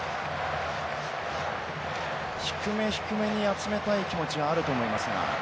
低め低めに集めたい気持ちがあると思いますが。